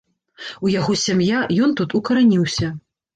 У яго сям'я, ён тут укараніўся.